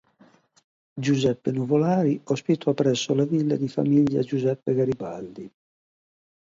Giuseppe Nuvolari ospitò presso la villa di famiglia Giuseppe Garibaldi.